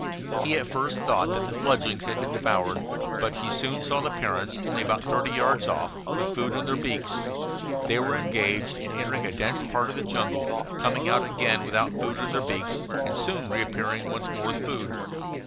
He at first thought that the fledglings had been devoured, but he soon saw the parents, only about thirty yards off, with food in their beaks. They were engaged in entering a dense part of the jungle, coming out again without food in their beaks, and soon reappearing once more with food.